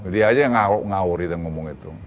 dia aja yang ngaur ngomong itu